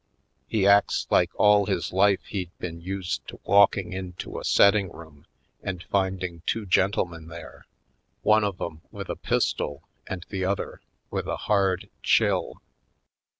He acts like all his life he'd been used to walk ing into a settingroom and finding two gen tlemen there, one of 'em with a pistol and the other with a hard chill.